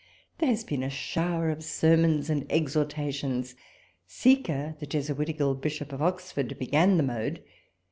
There has been a shower of sermons and exhortations : Seeker, the Jesuiti cal Bishop of Oxford, began the mode.